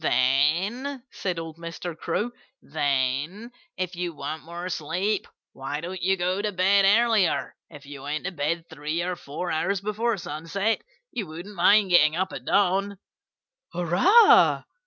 "Then " said old Mr. Crow, "then, if you want more sleep why don't you go to bed earlier? If you went to bed three or four hours before sunset you wouldn't mind getting up at dawn." "Hurrah!"